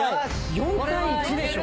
４対１でしょ。